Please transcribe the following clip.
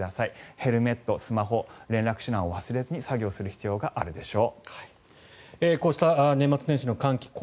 ヘルメット、スマホ連絡手段を忘れずに作業する必要があるでしょう。